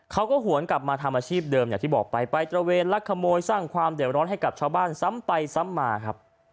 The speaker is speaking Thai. เขาก็หวนกลับมาทำอาชีพเดิมเนี่ยที่บอกไประเวนรักกษมูลสร้างความเด็ดร้อนให้กับชาวบ้านซ้ำไปซ้ำมาครับ